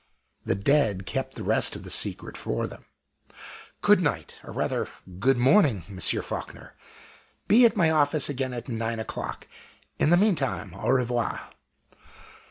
The dead kept the rest of the secret for them. Good night, or rather good morning, Monsieur Faulkner! Be at my office again at nine o'clock in the meantime, _au revoir!